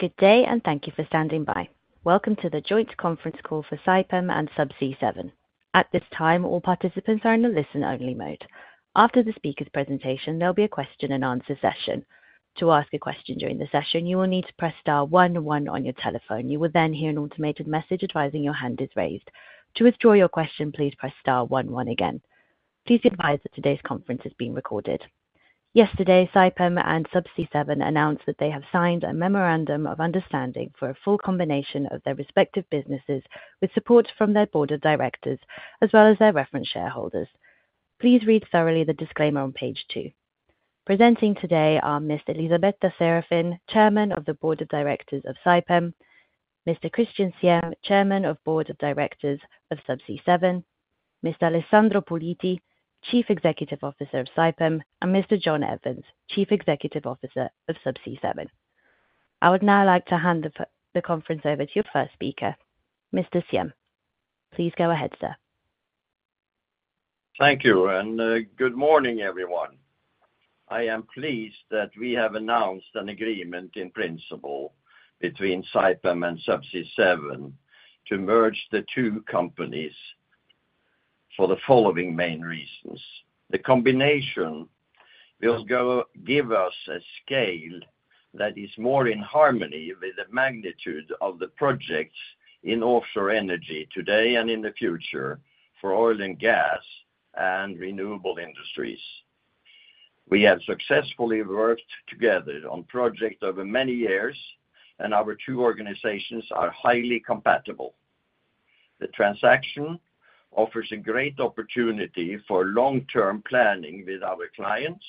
Good day, and thank you for standing by. Welcome to the Joint Conference Call for Saipem and Subsea7. At this time, all participants are in the listen-only mode. After the speaker's presentation, there'll be a question-and-answer session. To ask a question during the session, you will need to press star one one on your telephone. You will then hear an automated message advising your hand is raised. To withdraw your question, please press star one one again. Please be advised that today's conference is being recorded. Yesterday, Saipem and Subsea7 announced that they have signed a memorandum of understanding for a full combination of their respective businesses with support from their board of directors, as well as their reference shareholders. Please read thoroughly the disclaimer on page two. Presenting today are Miss Elisabetta Serafin, Chairman of the Board of Directors of Saipem; Mr. Kristian Siem, Chairman of the Board of Directors of Subsea7; Mr. Alessandro Puliti, Chief Executive Officer of Saipem; and Mr. John Evans, Chief Executive Officer of Subsea7. I would now like to hand the conference over to your first speaker, Mr. Siem. Please go ahead, sir. Thank you, and good morning, everyone. I am pleased that we have announced an agreement in principle between Saipem and Subsea7 to merge the two companies for the following main reasons. The combination will give us a scale that is more in harmony with the magnitude of the projects in offshore energy today and in the future for oil and gas and renewable industries. We have successfully worked together on projects over many years, and our two organizations are highly compatible. The transaction offers a great opportunity for long-term planning with our clients,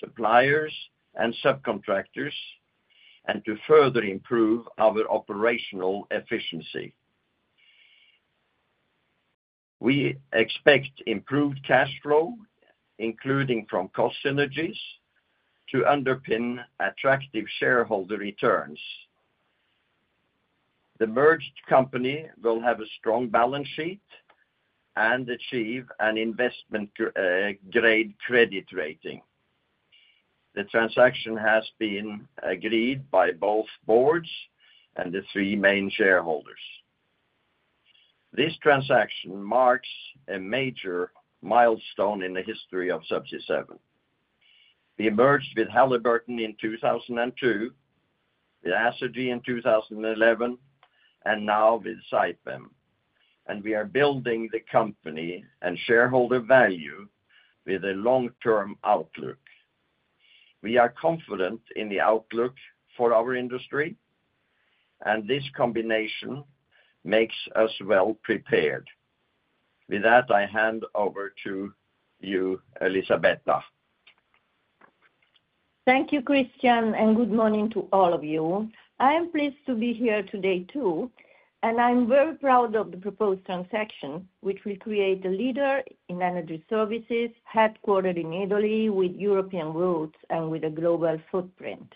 suppliers, and subcontractors, and to further improve our operational efficiency. We expect improved cash flow, including from cost synergies, to underpin attractive shareholder returns. The merged company will have a strong balance sheet and achieve an investment-grade credit rating. The transaction has been agreed by both boards and the three main shareholders. This transaction marks a major milestone in the history of Subsea7. We merged with Halliburton in 2002, with Acergy in 2011, and now with Saipem, and we are building the company and shareholder value with a long-term outlook. We are confident in the outlook for our industry, and this combination makes us well prepared. With that, I hand over to you, Elisabetta. Thank you, Kristian, and good morning to all of you. I am pleased to be here today too, and I'm very proud of the proposed transaction, which will create a leader in energy services headquartered in Italy, with European roots, and with a global footprint.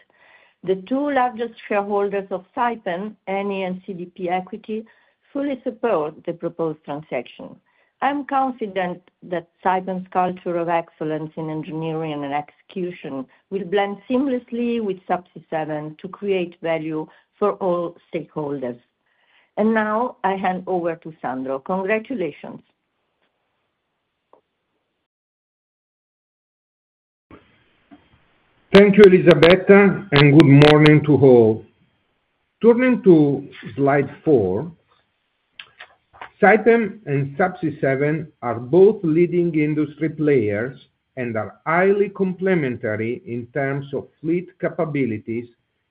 The two largest shareholders of Saipem, Eni and CDP Equity, fully support the proposed transaction. I'm confident that Saipem's culture of excellence in engineering and execution will blend seamlessly with Subsea7 to create value for all stakeholders. And now, I hand over to Sandro. Congratulations. Thank you, Elisabetta, and good morning to all. Turning to slide four, Saipem and Subsea7 are both leading industry players and are highly complementary in terms of fleet capabilities,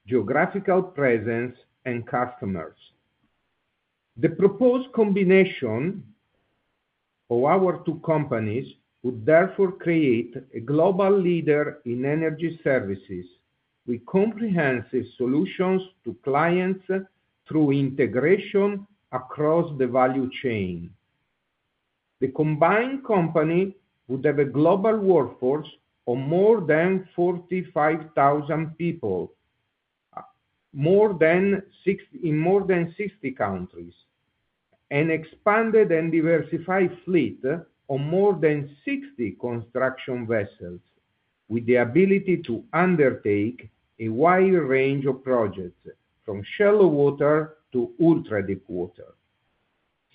geographical presence, and customers. The proposed combination of our two companies would therefore create a global leader in energy services with comprehensive solutions to clients through integration across the value chain. The combined company would have a global workforce of more than 45,000 people in more than 60 countries, an expanded and diversified fleet of more than 60 construction vessels, with the ability to undertake a wide range of projects from shallow water to ultra-deep water.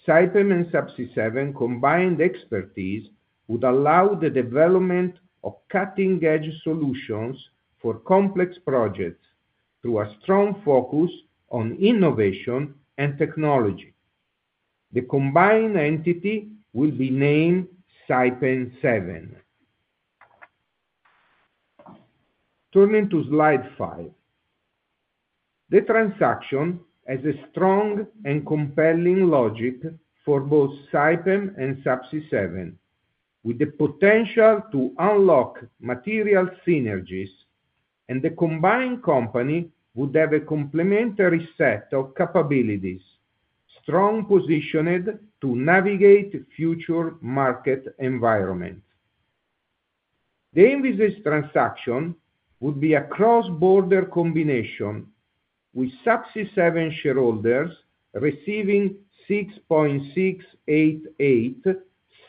Saipem and Subsea7 combined expertise would allow the development of cutting-edge solutions for complex projects through a strong focus on innovation and technology. The combined entity will be named Saipem 7. Turning to slide five, the transaction has a strong and compelling logic for both Saipem and Subsea7, with the potential to unlock material synergies, and the combined company would have a complementary set of capabilities, strongly positioned to navigate future market environments. The envisaged transaction would be a cross-border combination with Subsea7 shareholders receiving 6.688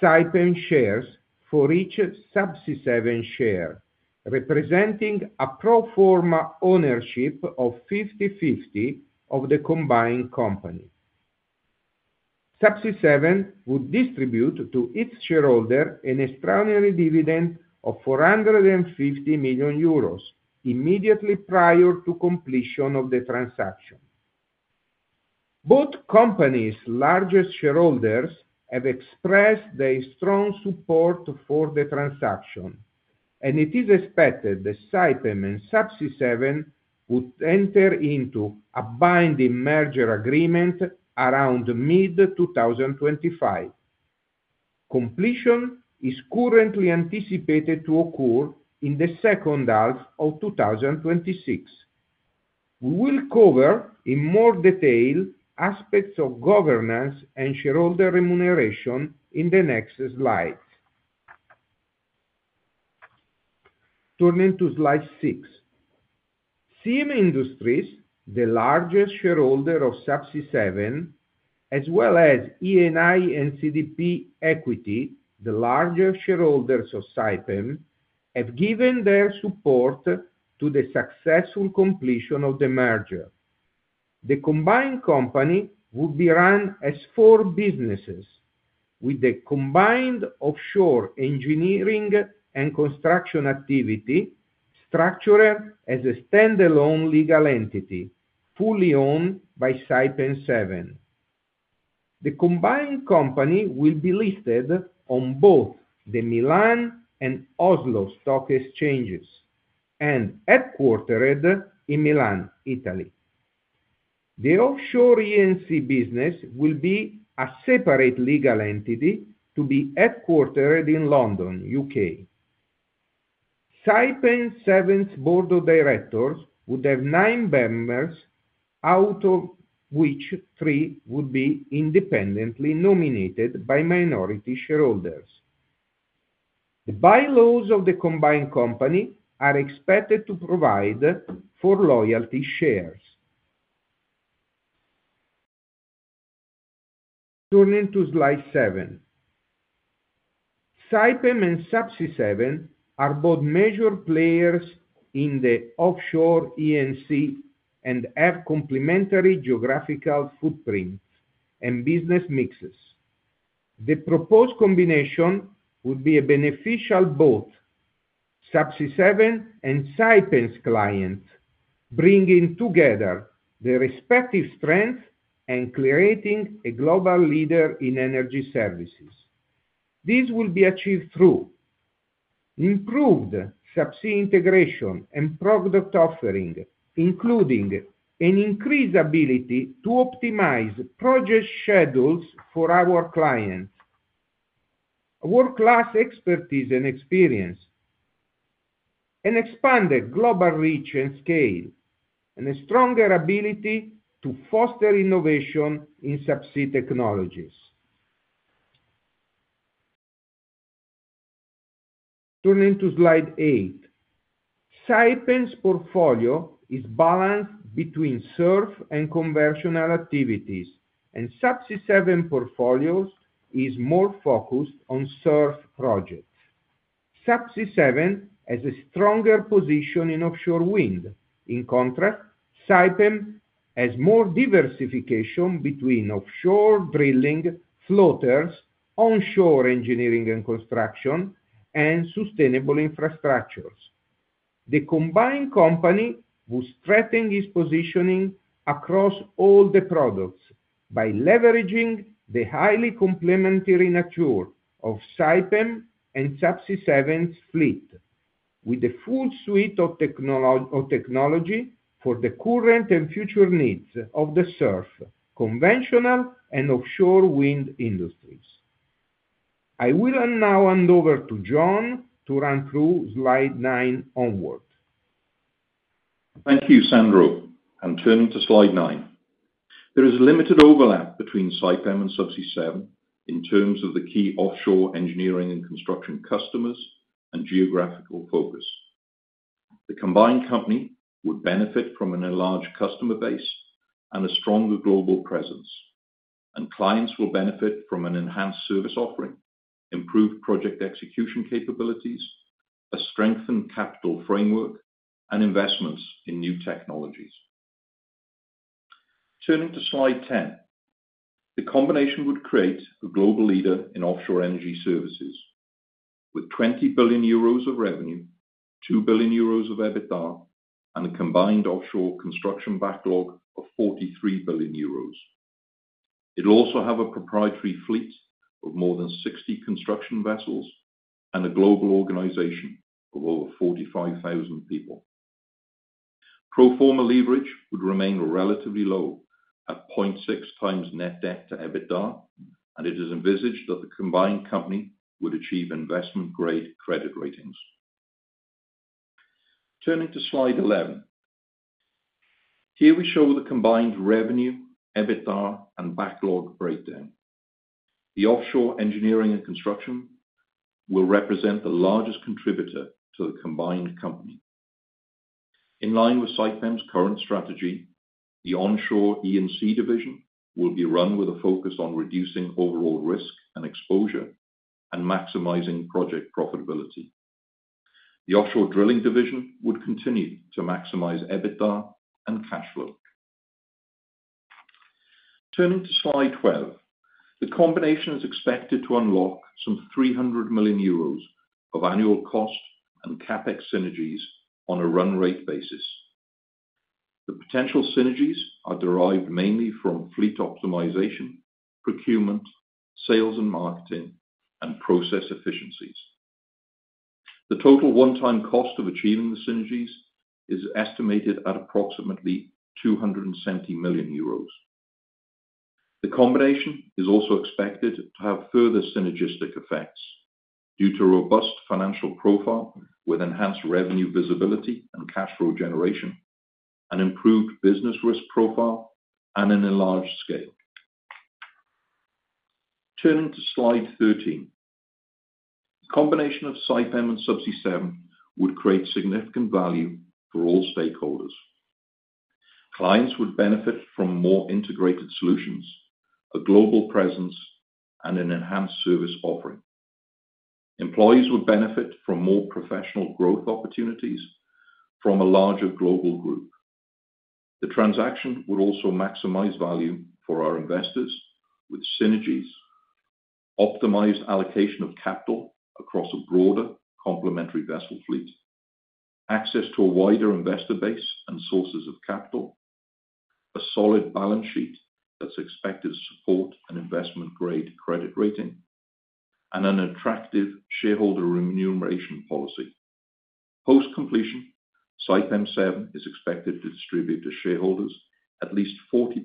Saipem shares for each Subsea7 share, representing a pro forma ownership of 50/50 of the combined company. Subsea7 would distribute to its shareholder an extraordinary dividend of 450 million euros immediately prior to completion of the transaction. Both companies' largest shareholders have expressed their strong support for the transaction, and it is expected that Saipem and Subsea7 would enter into a binding merger agreement around mid-2025. Completion is currently anticipated to occur in the second half of 2026. We will cover in more detail aspects of governance and shareholder remuneration in the next slides. Turning to slide six, Siem Industries, the largest shareholder of Subsea7, as well as Eni and CDP Equity, the larger shareholders of Saipem, have given their support to the successful completion of the merger. The combined company would be run as four businesses, with the combined offshore engineering and construction activity structured as a stand-alone legal entity fully owned by Saipem 7. The combined company will be listed on both the Milan and Oslo stock exchanges and headquartered in Milan, Italy. The offshore E&C business will be a separate legal entity to be headquartered in London, UK. Saipem 7's board of directors would have nine members, out of which three would be independently nominated by minority shareholders. The bylaws of the combined company are expected to provide for loyalty shares. Turning to slide seven, Saipem and Subsea7 are both major players in the offshore E&C and have complementary geographical footprints and business mixes. The proposed combination would be beneficial to both Subsea7 and Saipem's clients, bringing together their respective strengths and creating a global leader in energy services. This will be achieved through improved subsea integration and product offering, including an increased ability to optimize project schedules for our clients, world-class expertise and experience, an expanded global reach and scale, and a stronger ability to foster innovation in subsea technologies. Turning to slide eight, Saipem's portfolio is balanced between SURF and conventional activities, and Subsea7's portfolio is more focused on SURF projects. Subsea7 has a stronger position in offshore wind. In contrast, Saipem has more diversification between offshore drilling, floaters, onshore engineering and construction, and sustainable infrastructures. The combined company would strengthen its positioning across all the products by leveraging the highly complementary nature of Saipem and Subsea7's fleet, with a full suite of technology for the current and future needs of the SURF, conventional, and offshore wind industries. I will now hand over to John to run through slide nine onward. Thank you, Sandro. And turning to slide nine, there is limited overlap between Saipem and Subsea7 in terms of the key offshore engineering and construction customers and geographical focus. The combined company would benefit from a large customer base and a stronger global presence, and clients will benefit from an enhanced service offering, improved project execution capabilities, a strengthened capital framework, and investments in new technologies. Turning to slide ten, the combination would create a global leader in offshore energy services with 20 billion euros of revenue, 2 billion euros of EBITDA, and a combined offshore construction backlog of 43 billion euros. It'll also have a proprietary fleet of more than 60 construction vessels and a global organization of over 45,000 people. Pro forma leverage would remain relatively low at 0.6 times net debt to EBITDA, and it is envisaged that the combined company would achieve investment-grade credit ratings. Turning to slide eleven, here we show the combined revenue, EBITDA, and backlog breakdown. The offshore engineering and construction will represent the largest contributor to the combined company. In line with Saipem's current strategy, the onshore E&C division will be run with a focus on reducing overall risk and exposure and maximizing project profitability. The offshore drilling division would continue to maximize EBITDA and cash flow. Turning to slide twelve, the combination is expected to unlock some 300 million euros of annual cost and CapEx synergies on a run rate basis. The potential synergies are derived mainly from fleet optimization, procurement, sales and marketing, and process efficiencies. The total one-time cost of achieving the synergies is estimated at approximately 270 million euros. The combination is also expected to have further synergistic effects due to robust financial profile with enhanced revenue visibility and cash flow generation, an improved business risk profile, and an enlarged scale. Turning to slide 13, the combination of Saipem and Subsea7 would create significant value for all stakeholders. Clients would benefit from more integrated solutions, a global presence, and an enhanced service offering. Employees would benefit from more professional growth opportunities from a larger global group. The transaction would also maximize value for our investors with synergies, optimized allocation of capital across a broader complementary vessel fleet, access to a wider investor base and sources of capital, a solid balance sheet that's expected to support an investment-grade credit rating, and an attractive shareholder remuneration policy. Post-completion, Saipem 7 is expected to distribute to shareholders at least 40%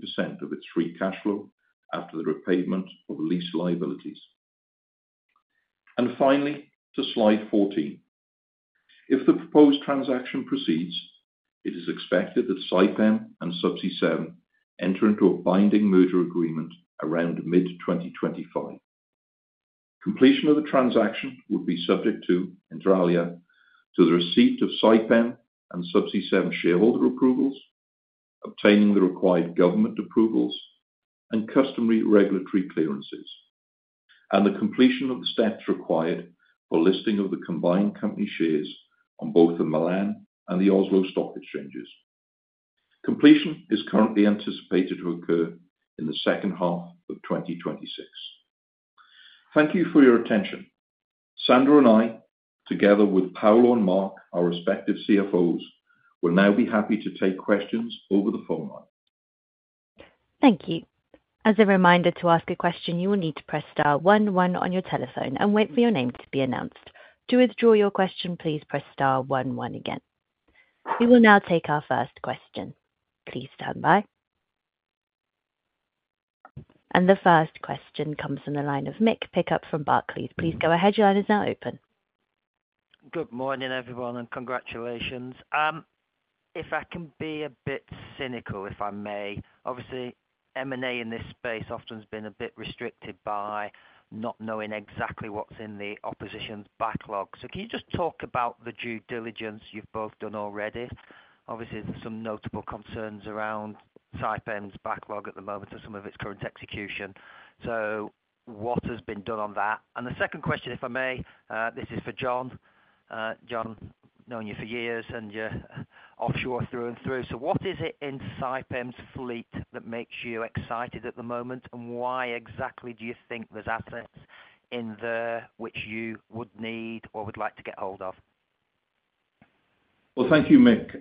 of its free cash flow after the repayment of lease liabilities. Finally, to slide 14, if the proposed transaction proceeds, it is expected that Saipem and Subsea7 enter into a binding merger agreement around mid-2025. Completion of the transaction would be subject to, inter alia, the receipt of Saipem and Subsea7 shareholder approvals, obtaining the required government approvals and customary regulatory clearances, and the completion of the steps required for listing of the combined company shares on both the Milan and the Oslo stock exchanges. Completion is currently anticipated to occur in the second half of 2026. Thank you for your attention. Sandro and I, together with Paolo and Mark, our respective CFOs, will now be happy to take questions over the phone line. Thank you. As a reminder to ask a question, you will need to press star one one on your telephone and wait for your name to be announced. To withdraw your question, please press star one one again. We will now take our first question. Please stand by. And the first question comes from the line of Mick Pickup from Barclays. Please go ahead. Your line is now open. Good morning, everyone, and congratulations. If I can be a bit cynical, if I may, obviously, M&A in this space often has been a bit restricted by not knowing exactly what's in the opposition's backlog. So can you just talk about the due diligence you've both done already? Obviously, there's some notable concerns around Saipem's backlog at the moment and some of its current execution. So what has been done on that? And the second question, if I may, this is for John. John, known you for years and you're offshore through and through. So what is it in Saipem's fleet that makes you excited at the moment, and why exactly do you think there's assets in there which you would need or would like to get hold of? Thank you, Mick.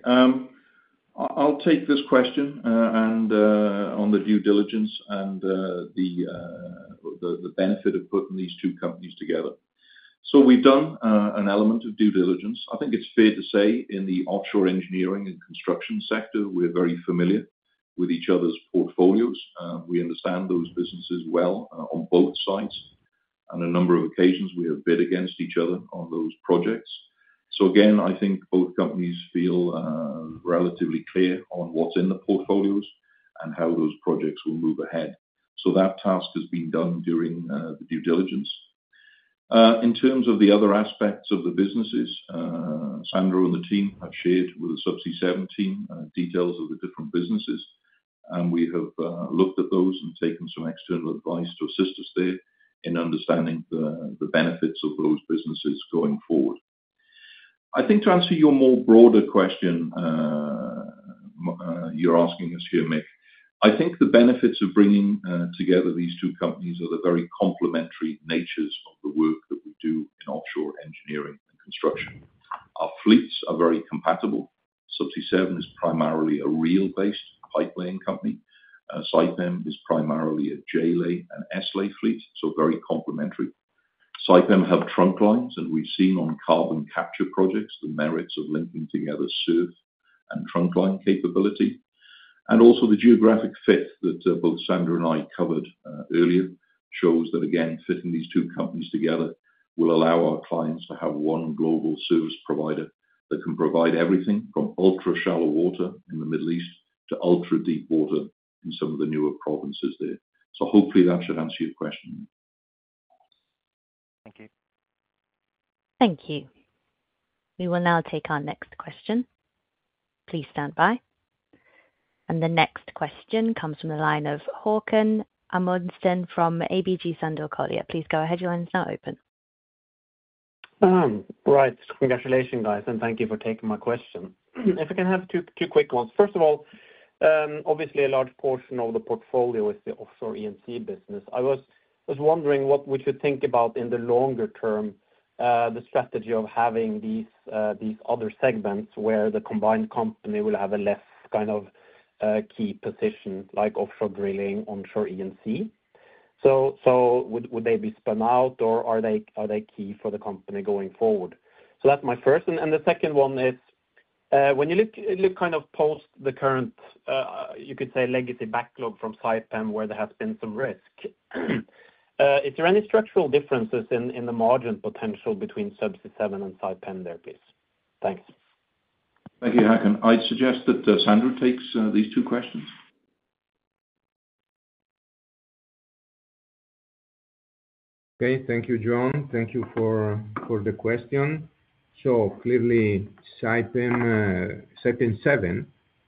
I'll take this question on the due diligence and the benefit of putting these two companies together. So we've done an element of due diligence. I think it's fair to say in the offshore engineering and construction sector, we're very familiar with each other's portfolios. We understand those businesses well on both sides. On a number of occasions, we have bid against each other on those projects. So again, I think both companies feel relatively clear on what's in the portfolios and how those projects will move ahead. So that task has been done during the due diligence. In terms of the other aspects of the businesses, Sandro and the team have shared with the Subsea7 team details of the different businesses, and we have looked at those and taken some external advice to assist us there in understanding the benefits of those businesses going forward. I think to answer your more broader question you're asking us here, Mick, I think the benefits of bringing together these two companies are the very complementary natures of the work that we do in offshore engineering and construction. Our fleets are very compatible. Subsea7 is primarily a reel-based pipeline company. Saipem is primarily a J-lay and S-lay fleet, so very complementary. Saipem have trunk lines, and we've seen on carbon capture projects the merits of linking together SURF and trunk line capability. Also, the geographic fit that both Sandro and I covered earlier shows that, again, fitting these two companies together will allow our clients to have one global service provider that can provide everything from ultra-shallow water in the Middle East to ultra-deep water in some of the newer provinces there, so hopefully that should answer your question. Thank you. Thank you. We will now take our next question. Please stand by, and the next question comes from the line of Haakon Amundsen from ABG Sundal Collier. Please go ahead. Your line is now open. Right. Congratulations, guys, and thank you for taking my question. If I can have two quick ones. First of all, obviously, a large portion of the portfolio is the offshore E&C business. I was wondering what we should think about in the longer term, the strategy of having these other segments where the combined company will have a less kind of key position like offshore drilling, onshore E&C. So would they be spun out, or are they key for the company going forward? So that's my first. And the second one is, when you look kind of post the current, you could say, legacy backlog from Saipem where there has been some risk, is there any structural differences in the margin potential between Subsea7 and Saipem there, please? Thanks. Thank you, Haakon. I'd suggest that Sandro takes these two questions. Okay. Thank you, John. Thank you for the question. So clearly, Saipem 7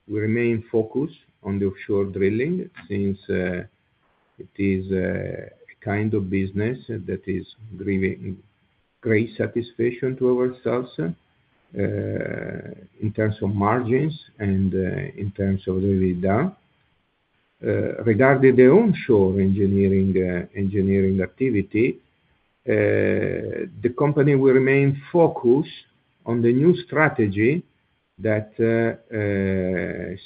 will remain focused on the offshore drilling since it is a kind of business that is giving great satisfaction to ourselves in terms of margins and in terms of EBITDA. Regarding the onshore engineering activity, the company will remain focused on the new strategy that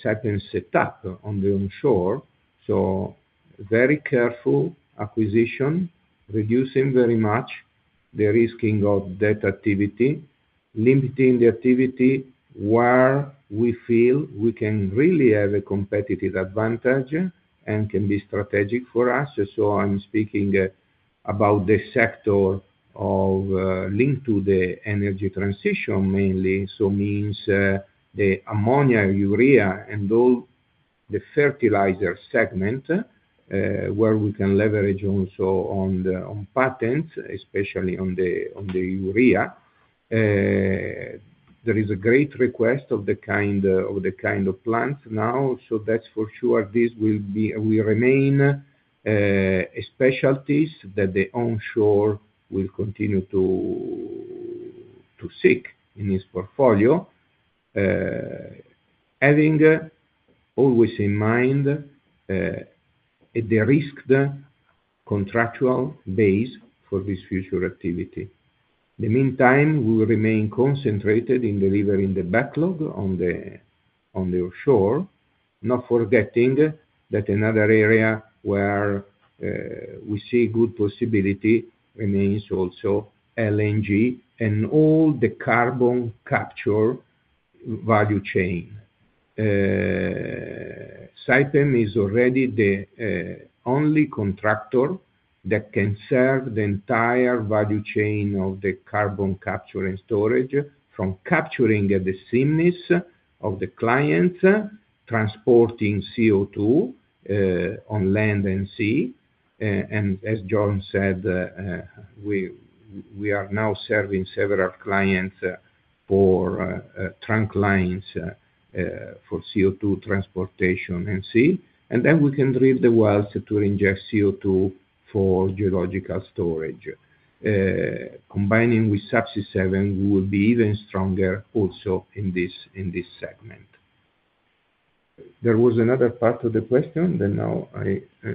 Saipem set up on the onshore. So very careful acquisition, reducing very much the risking of that activity, limiting the activity where we feel we can really have a competitive advantage and can be strategic for us. So I'm speaking about the sector linked to the energy transition mainly. So it means the ammonia, urea, and all the fertilizer segment where we can leverage also on patents, especially on the urea. There is a great request of the kind of plants now. That's for sure this will remain a specialty that the onshore will continue to seek in its portfolio, having always in mind the risked contractual base for this future activity. In the meantime, we will remain concentrated in delivering the backlog on the offshore, not forgetting that another area where we see good possibility remains also LNG and all the carbon capture value chain. Saipem is already the only contractor that can serve the entire value chain of the carbon capture and storage from capturing at the premises of the client, transporting CO2 on land and sea, and as John said, we are now serving several clients for trunk lines for CO2 transportation on sea, and then we can drill the wells to inject CO2 for geological storage. Combining with Subsea7 will be even stronger also in this segment. There was another part of the question that now I. Yeah.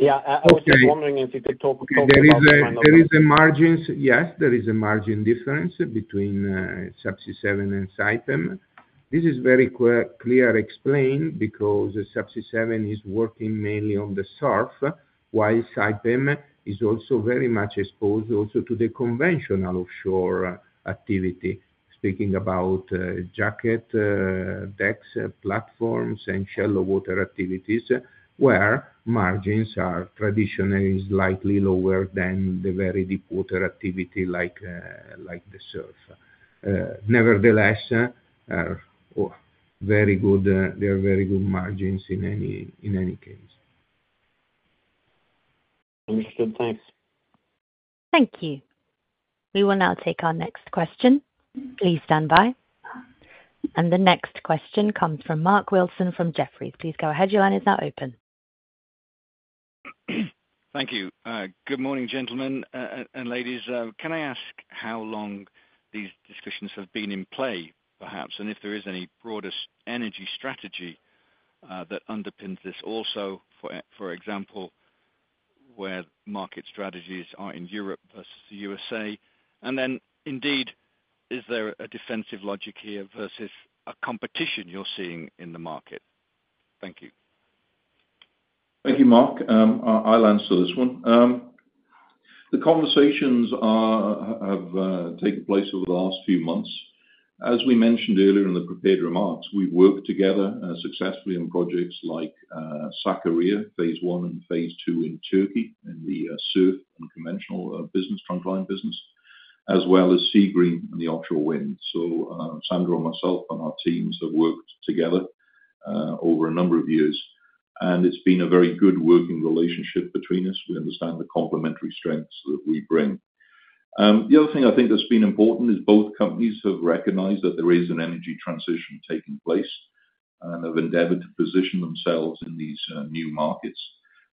I was just wondering if you could talk about that kind of. There is a margins. Yes, there is a margin difference between Subsea7 and Saipem. This is very clear explained because Subsea7 is working mainly on the SURF, while Saipem is also very much exposed also to the conventional offshore activity, speaking about jacket decks, platforms, and shallow water activities where margins are traditionally slightly lower than the very deep water activity like the SURF. Nevertheless, they are very good margins in any case. Understood. Thanks. Thank you. We will now take our next question. Please stand by, and the next question comes from Mark Wilson from Jefferies. Please go ahead. Your line is now open. Thank you. Good morning, gentlemen and ladies. Can I ask how long these discussions have been in play, perhaps, and if there is any broader energy strategy that underpins this also, for example, where market strategies are in Europe versus the USA? And then indeed, is there a defensive logic here versus a competition you're seeing in the market? Thank you. Thank you, Mark. I'll answer this one. The conversations have taken place over the last few months. As we mentioned earlier in the prepared remarks, we've worked together successfully on projects like Sakarya, phase one and phase two in Turkey in the SURF and conventional business, trunk line business, as well as Seagreen and the offshore wind. So Sandro and myself and our teams have worked together over a number of years, and it's been a very good working relationship between us. We understand the complementary strengths that we bring. The other thing I think that's been important is both companies have recognized that there is an energy transition taking place and have endeavored to position themselves in these new markets,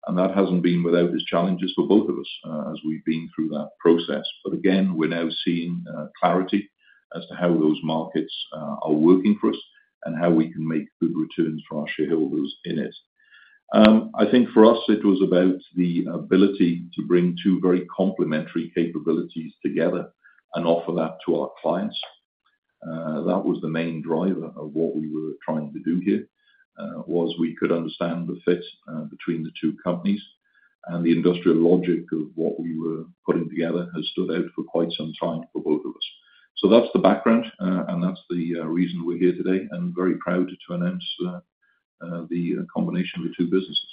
and that hasn't been without its challenges for both of us as we've been through that process. But again, we're now seeing clarity as to how those markets are working for us and how we can make good returns for our shareholders in it. I think for us, it was about the ability to bring two very complementary capabilities together and offer that to our clients. That was the main driver of what we were trying to do here, was we could understand the fit between the two companies. And the industrial logic of what we were putting together has stood out for quite some time for both of us. So that's the background, and that's the reason we're here today and very proud to announce the combination of the two businesses.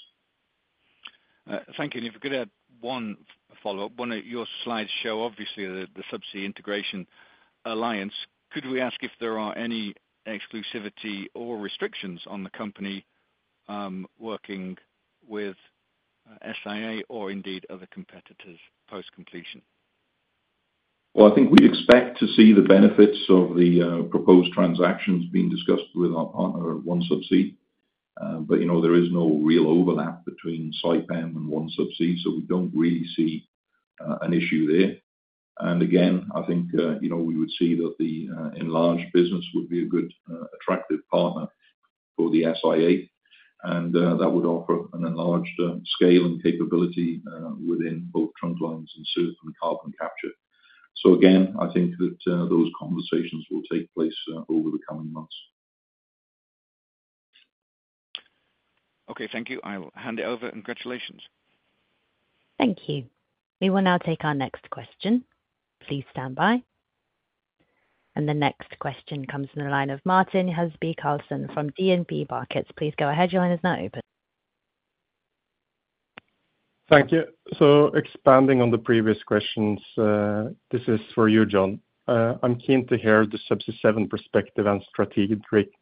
Thank you. And if I could add one follow-up. Your slides show obviously the Subsea Integration Alliance. Could we ask if there are any exclusivity or restrictions on the company working with SIA or indeed other competitors post-completion? I think we expect to see the benefits of the proposed transactions being discussed with our partner, OneSubsea. But there is no real overlap between Saipem and OneSubsea, so we don't really see an issue there. And again, I think we would see that the enlarged business would be a good attractive partner for the SIA, and that would offer an enlarged scale and capability within both trunk lines and SURF and carbon capture. Again, I think that those conversations will take place over the coming months. Okay. Thank you. I'll hand it over. Congratulations. Thank you. We will now take our next question. Please stand by. And the next question comes from the line of Martin Huseby Karlsen from DNB Markets. Please go ahead. Your line is now open. Thank you. So expanding on the previous questions, this is for you, John. I'm keen to hear the Subsea 7 perspective and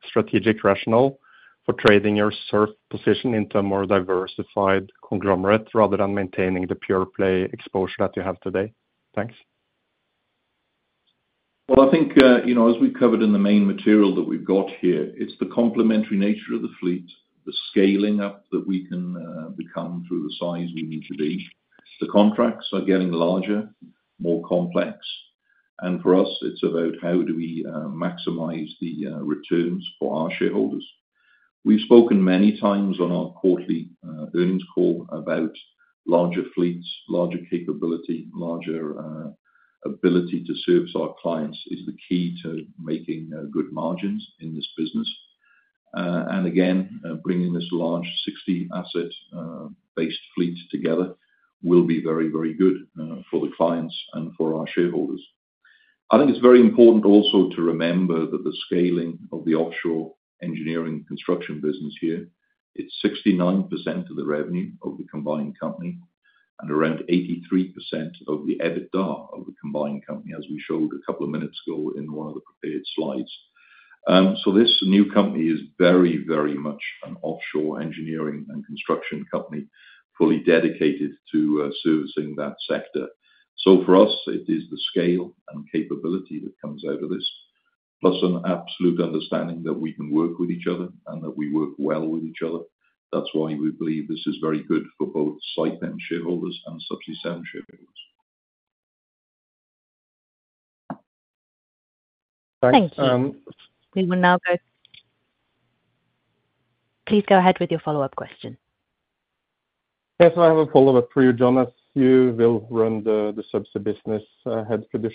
strategic rationale for trading your SURF position into a more diversified conglomerate rather than maintaining the pure play exposure that you have today. Thanks. I think as we covered in the main material that we've got here, it's the complementary nature of the fleet, the scaling up that we can become through the size we need to be. The contracts are getting larger, more complex. For us, it's about how do we maximize the returns for our shareholders. We've spoken many times on our quarterly earnings call about larger fleets, larger capability, larger ability to service our clients is the key to making good margins in this business. Again, bringing this large 60-asset-based fleet together will be very, very good for the clients and for our shareholders. I think it's very important also to remember that the scaling of the offshore engineering construction business here, it's 69% of the revenue of the combined company and around 83% of the EBITDA of the combined company, as we showed a couple of minutes ago in one of the prepared slides. So this new company is very, very much an offshore engineering and construction company fully dedicated to servicing that sector. So for us, it is the scale and capability that comes out of this, plus an absolute understanding that we can work with each other and that we work well with each other. That's why we believe this is very good for both Saipem shareholders and Subsea7 shareholders. Thanks. Thank you. We will now go. Please go ahead with your follow-up question. Yes. I have a follow-up for you, John. As you will run the Subsea business, would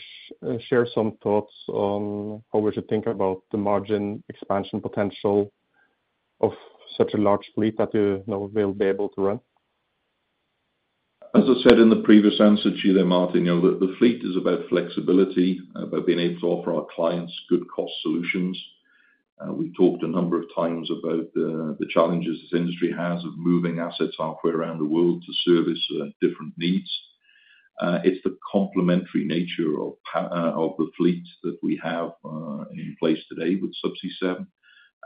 you share some thoughts on how we should think about the margin expansion potential of such a large fleet that you know we'll be able to run? As I said in the previous answer to you there, Martin, the fleet is about flexibility, about being able to offer our clients good cost solutions. We've talked a number of times about the challenges this industry has of moving assets halfway around the world to service different needs. It's the complementary nature of the fleet that we have in place today with Subsea7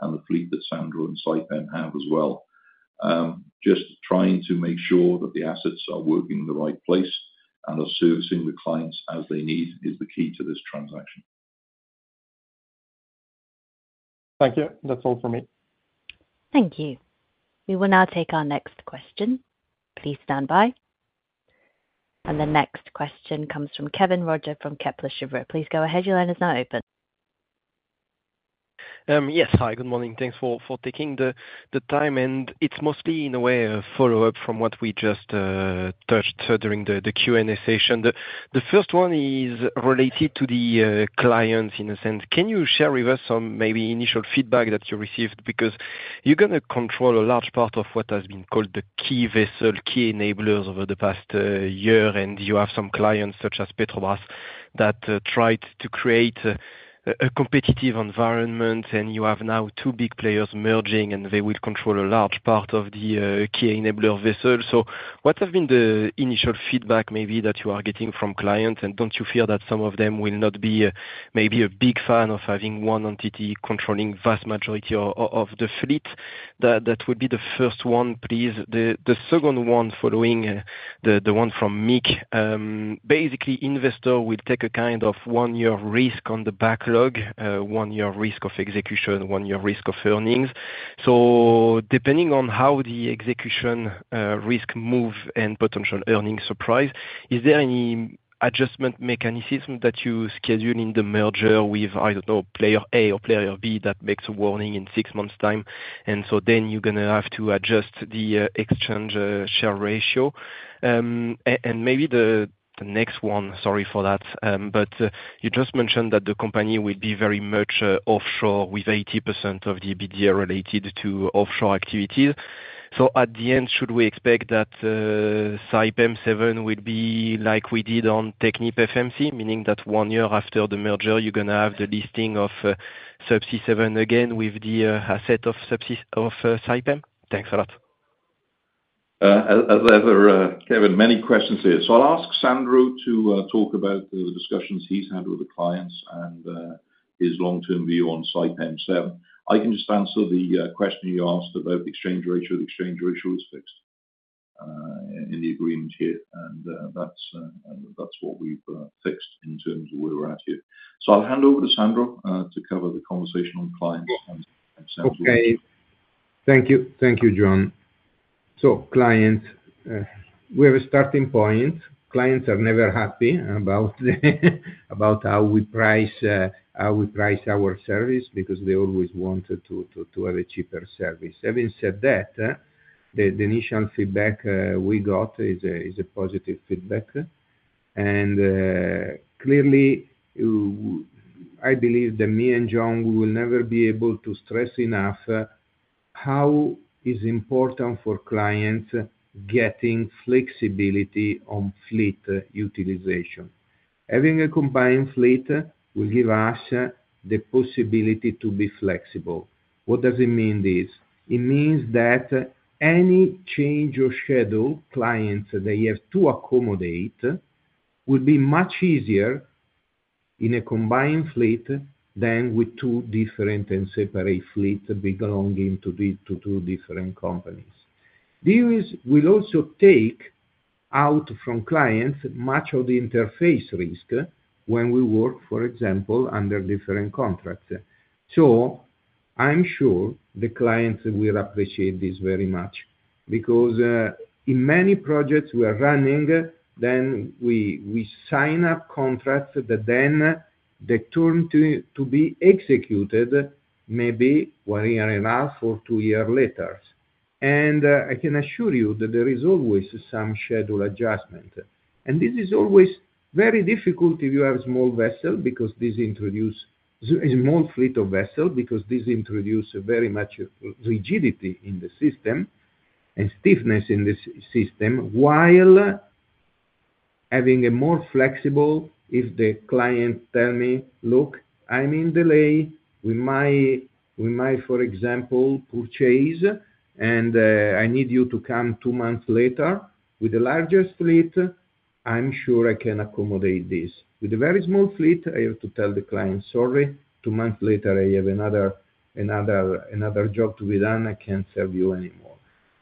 and the fleet that Sandro and Saipem have as well. Just trying to make sure that the assets are working in the right place and are servicing the clients as they need is the key to this transaction. Thank you. That's all for me. Thank you. We will now take our next question. Please stand by, and the next question comes from Kévin Roger from Kepler Cheuvreux. Please go ahead. Your line is now open. Yes. Hi. Good morning. Thanks for taking the time. And it's mostly in a way a follow-up from what we just touched during the Q&A session. The first one is related to the clients in a sense. Can you share with us some maybe initial feedback that you received? Because you're going to control a large part of what has been called the key vessel, key enablers over the past year, and you have some clients such as Petrobras that tried to create a competitive environment, and you have now two big players merging, and they will control a large part of the key enabler vessel. So what has been the initial feedback maybe that you are getting from clients? And don't you fear that some of them will not be maybe a big fan of having one entity controlling the vast majority of the fleet? That would be the first one, please. The second one following the one from Mick, basically, investor will take a kind of one-year risk on the backlog, one-year risk of execution, one-year risk of earnings. So depending on how the execution risk moves and potential earnings surprise, is there any adjustment mechanism that you schedule in the merger with, I don't know, player A or player B that makes a warning in six months' time? And so then you're going to have to adjust the exchange share ratio. And maybe the next one, sorry for that, but you just mentioned that the company will be very much offshore with 80% of the EBITDA related to offshore activities. At the end, should we expect that Saipem 7 will be like we did on TechnipFMC, meaning that one year after the merger, you're going to have the listing of Subsea 7 again with the asset of Saipem? Thanks a lot. As ever, Kevin, many questions here. So I'll ask Sandro to talk about the discussions he's had with the clients and his long-term view on Saipem 7. I can just answer the question you asked about the exchange ratio. The exchange ratio is fixed in the agreement here, and that's what we've fixed in terms of where we're at here. So I'll hand over to Sandro to cover the conversation on clients and Sandro on. Okay. Thank you. Thank you, John. So clients, we have a starting point. Clients are never happy about how we price our service because they always wanted to have a cheaper service. Having said that, the initial feedback we got is a positive feedback, and clearly, I believe that me and John, we will never be able to stress enough how it's important for clients getting flexibility on fleet utilization. Having a combined fleet will give us the possibility to be flexible. What does it mean? It means that any change or schedule clients that you have to accommodate will be much easier in a combined fleet than with two different and separate fleets belonging to two different companies. This will also take out from clients much of the interface risk when we work, for example, under different contracts. So I'm sure the clients will appreciate this very much because in many projects we are running, then we sign up contracts that then they turn to be executed maybe one year and a half or two years later. And I can assure you that there is always some schedule adjustment. And this is always very difficult if you have a small vessel because this introduces a small fleet of vessels, because this introduces very much rigidity in the system and stiffness in the system while having a more flexible if the client tells me, "Look, I'm in delay. We might, for example, purchase, and I need you to come two months later." With the larger fleet, I'm sure I can accommodate this. With the very small fleet, I have to tell the client, "Sorry. Two months later, I have another job to be done. I can't serve you anymore."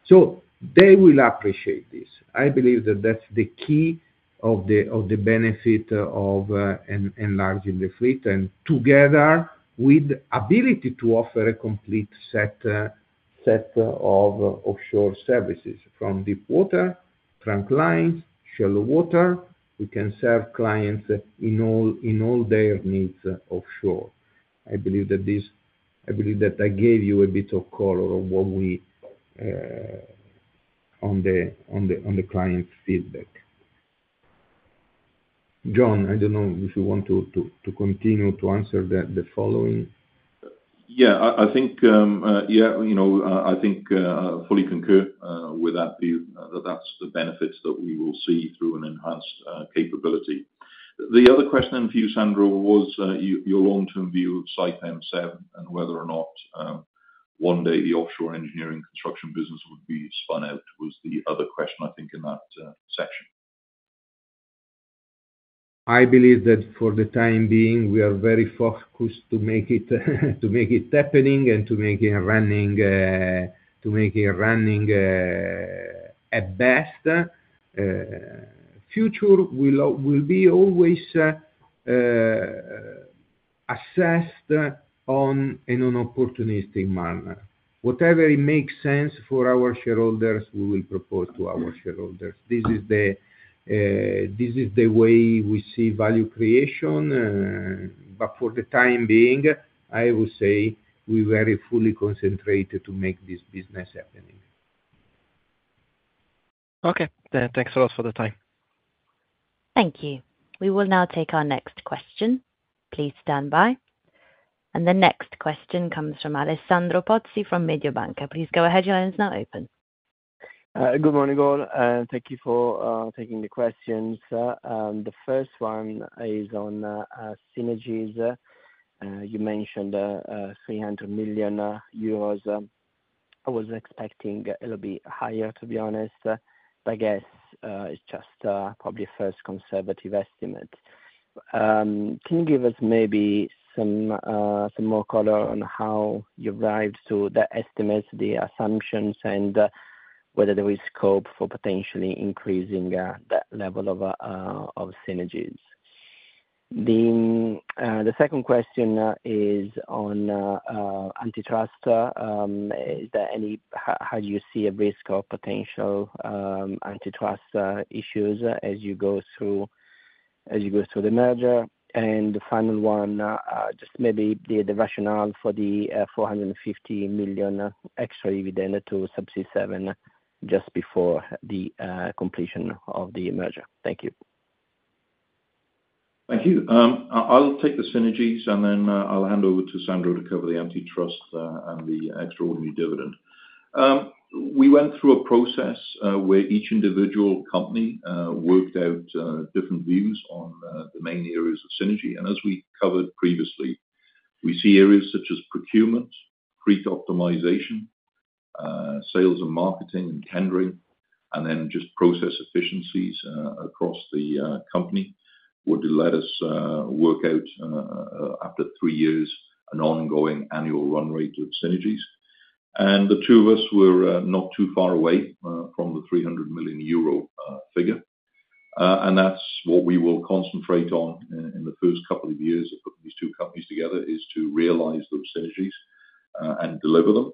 So they will appreciate this. I believe that that's the key of the benefit of enlarging the fleet and together with the ability to offer a complete set of offshore services from deep water, trunk lines, shallow water. We can serve clients in all their needs offshore. I believe that I gave you a bit of color on the client feedback. John, I don't know if you want to continue to answer the following. Yeah. I think, yeah, I think I fully concur with that view that that's the benefits that we will see through an enhanced capability. The other question for you, Sandro, was your long-term view of Saipem 7 and whether or not one day the offshore engineering construction business would be spun out was the other question, I think, in that section. I believe that for the time being, we are very focused to make it happening and to make it running at best. Future will be always assessed on an opportunistic manner. Whatever makes sense for our shareholders, we will propose to our shareholders. This is the way we see value creation. But for the time being, I would say we're very fully concentrated to make this business happening. Okay. Thanks a lot for the time. Thank you. We will now take our next question. Please stand by. And the next question comes from Alessandro Pozzi from Mediobanca. Please go ahead. Your line is now open. Good morning, all. Thank you for taking the questions. The first one is on synergies. You mentioned 300 million euros. I was expecting a little bit higher, to be honest. But I guess it's just probably a first conservative estimate. Can you give us maybe some more color on how you arrived to the estimates, the assumptions, and whether there is scope for potentially increasing that level of synergies? The second question is on antitrust. How do you see a risk of potential antitrust issues as you go through the merger? And the final one, just maybe the rationale for the 450 million extra dividend to Subsea 7 just before the completion of the merger. Thank you. Thank you. I'll take the synergies, and then I'll hand over to Sandro to cover the antitrust and the extraordinary dividend. We went through a process where each individual company worked out different views on the main areas of synergy. And as we covered previously, we see areas such as procurement, fleet optimization, sales and marketing, and tendering, and then just process efficiencies across the company would let us work out, after three years, an ongoing annual run rate of synergies. And the two of us were not too far away from the 300 million euro figure. And that's what we will concentrate on in the first couple of years of putting these two companies together, is to realize those synergies and deliver them.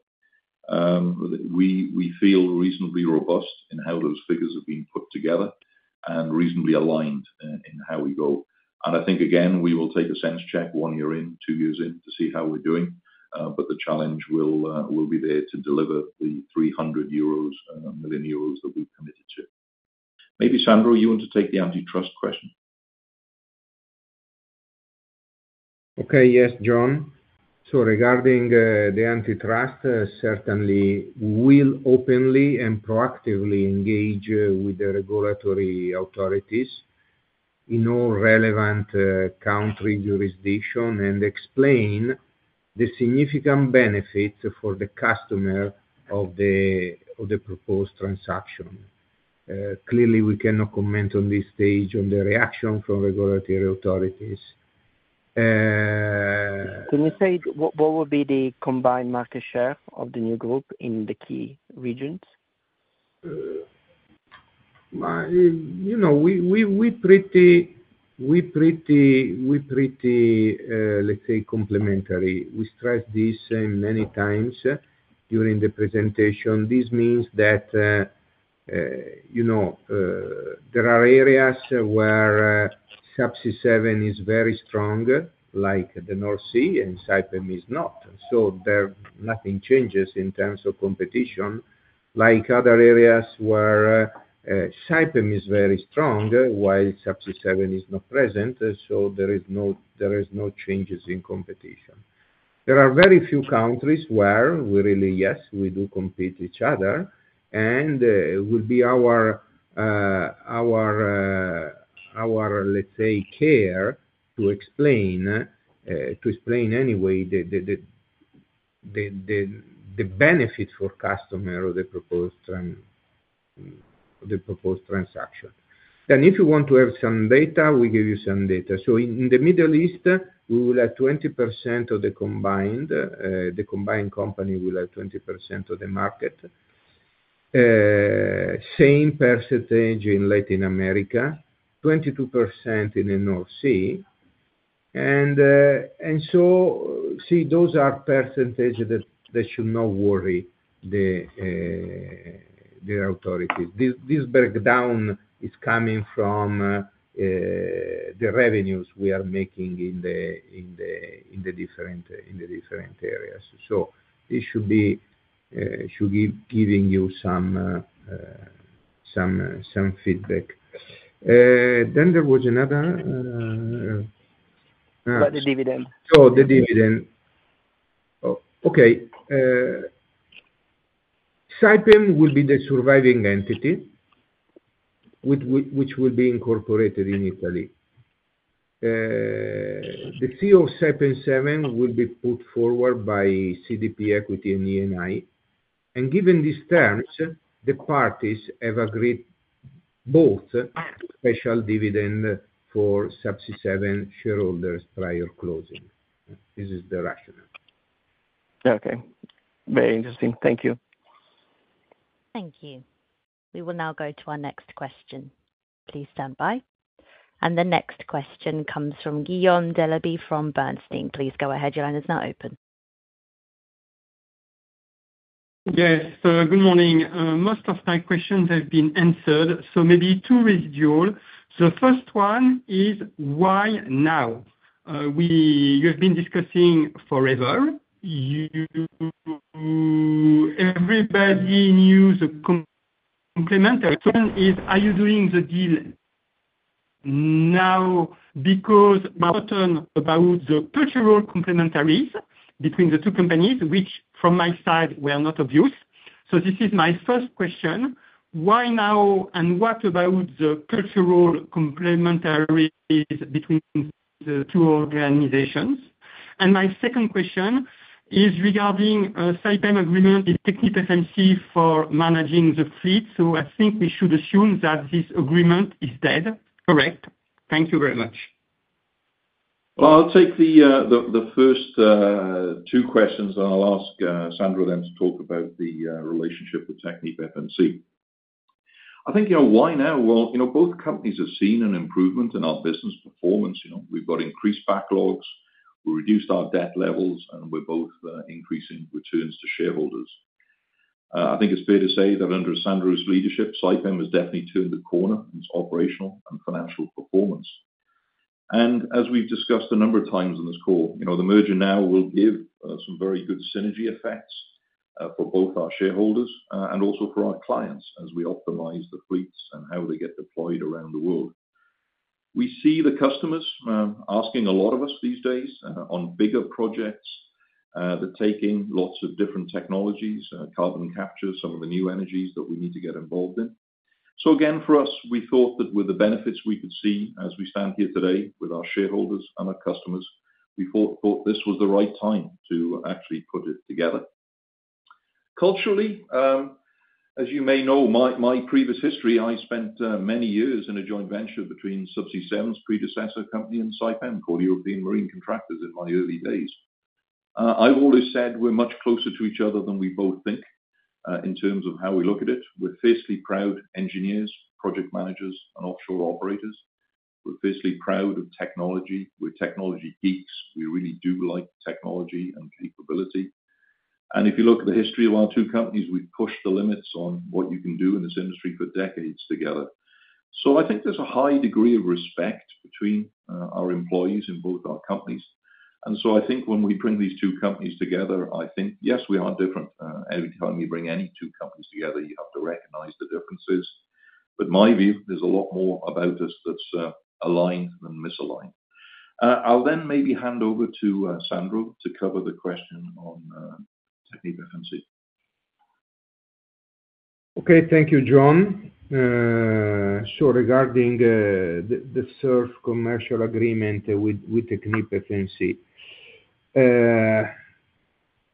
We feel reasonably robust in how those figures have been put together and reasonably aligned in how we go. I think, again, we will take a sense check one year in, two years in to see how we're doing. But the challenge will be there to deliver the 300 million euros that we've committed to. Maybe Sandro, you want to take the antitrust question? Okay. Yes, John. So regarding the antitrust, certainly, we will openly and proactively engage with the regulatory authorities in all relevant country jurisdictions and explain the significant benefits for the customer of the proposed transaction. Clearly, we cannot comment on this stage on the reaction from regulatory authorities. Can you say what will be the combined market share of the new group in the key regions? We're pretty, let's say, complementary. We stressed this many times during the presentation. This means that there are areas where Subsea7 is very strong, like the North Sea, and Saipem is not. So nothing changes in terms of competition, like other areas where Saipem is very strong while Subsea7 is not present. So there are no changes in competition. There are very few countries where we really, yes, we do compete with each other. And it will be our, let's say, care to explain anyway the benefit for customer of the proposed transaction. And if you want to have some data, we give you some data. So in the Middle East, we will have 20% of the combined company will have 20% of the market. Same percentage in Latin America, 22% in the North Sea. And so see, those are percentages that should not worry the authorities. This breakdown is coming from the revenues we are making in the different areas. So this should be giving you some feedback. Then there was another. About the dividend. Oh, the dividend. Okay. Saipem will be the surviving entity, which will be incorporated in Italy. The CEO of Saipem 7 will be put forward by CDP Equity and Eni, and given these terms, the parties have agreed both special dividend for Subsea7 shareholders prior closing. This is the rationale. Okay. Very interesting. Thank you. Thank you. We will now go to our next question. Please stand by, and the next question comes from Guillaume Delaby from Bernstein. Please go ahead. Your line is now open. Yes. So good morning. Most of my questions have been answered. So maybe two residual. The first one is, why now? You have been discussing forever. Everybody knew the complementary returns. Are you doing the deal now? Because about the cultural complementarities between the two companies, which from my side were not of use. So this is my first question. Why now? And what about the cultural complementarities between the two organizations? And my second question is regarding Saipem agreement with TechnipFMC for managing the fleet. So I think we should assume that this agreement is dead. Correct? Thank you very much. Well, I'll take the first two questions, and I'll ask Sandro then to talk about the relationship with TechnipFMC. I think, yeah, why now? Well, both companies have seen an improvement in our business performance. We've got increased backlogs. We reduced our debt levels, and we're both increasing returns to shareholders. I think it's fair to say that under Sandro's leadership, Saipem has definitely turned the corner in its operational and financial performance. And as we've discussed a number of times on this call, the merger now will give some very good synergy effects for both our shareholders and also for our clients as we optimize the fleets and how they get deployed around the world. We see the customers asking a lot of us these days on bigger projects that take in lots of different technologies, carbon capture, some of the new energies that we need to get involved in. So again, for us, we thought that with the benefits we could see as we stand here today with our shareholders and our customers, we thought this was the right time to actually put it together. Culturally, as you may know my previous history, I spent many years in a joint venture between Subsea 7's predecessor company and Saipem called European Marine Contractors in my early days. I've always said we're much closer to each other than we both think in terms of how we look at it. We're fiercely proud engineers, project managers, and offshore operators. We're fiercely proud of technology. We're technology geeks. We really do like technology and capability. If you look at the history of our two companies, we've pushed the limits on what you can do in this industry for decades together. I think there's a high degree of respect between our employees in both our companies. I think when we bring these two companies together, I think, yes, we are different. Every time you bring any two companies together, you have to recognize the differences. My view, there's a lot more about us that's aligned than misaligned. I'll then maybe hand over to Sandro to cover the question on TechnipFMC. Okay. Thank you, John. Regarding the SURF commercial agreement with TechnipFMC,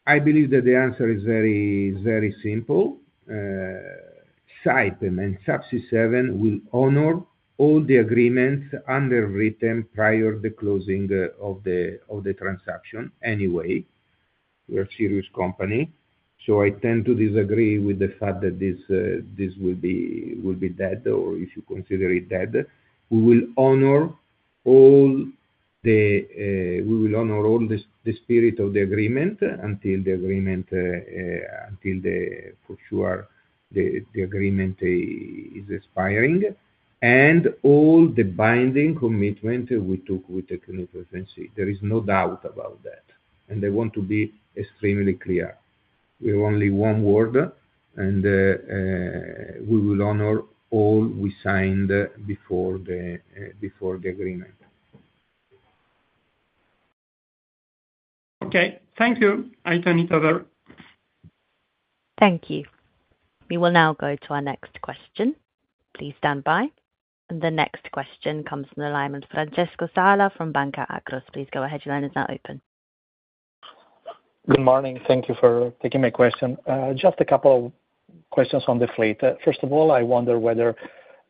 I believe that the answer is very simple. Saipem and Subsea7 will honor all the agreements underwritten prior to the closing of the transaction anyway. We're a serious company. I tend to disagree with the fact that this will be dead or if you consider it dead. We will honor all the spirit of the agreement until the agreement until for sure the agreement is expiring, and all the binding commitment we took with TechnipFMC. There is no doubt about that. I want to be extremely clear. We have only one word, and we will honor all we signed before the agreement. Okay. Thank you. I don't need other. Thank you. We will now go to our next question. Please stand by, and the next question comes from the line of Francesco Sala from Banca Akros. Please go ahead. Your line is now open. Good morning. Thank you for taking my question. Just a couple of questions on the fleet. First of all, I wonder whether